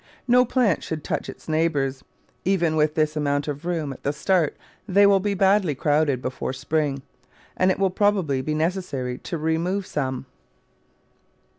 No plant should touch its neighbours. Even with this amount of room at the start they will be badly crowded before spring, and it will probably be necessary to remove some.